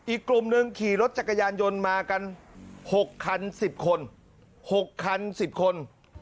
อีกกลุ่มหนึ่งขี่รถจักรยานยนต์มากัน๖คัน๑๐คน๖คัน๑๐คน